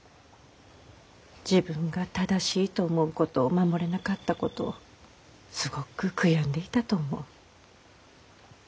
自分が正しいと思うことを守れなかったことをすごく悔やんでいたと思う。